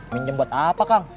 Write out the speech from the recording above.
pinjem buat apa kang